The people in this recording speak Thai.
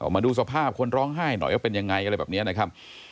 มาดูสภาพคนร้องไห้หน่อยว่าเป็นยังไงอะไรแบบนี้นะครับ